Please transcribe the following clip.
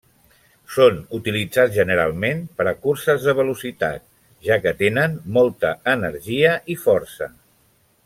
Són utilitzats generalment per a curses de velocitat, ja que tenen molta energia i força.